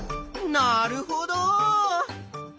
なるほど。